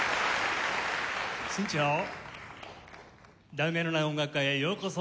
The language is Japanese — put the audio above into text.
『題名のない音楽会』へようこそ。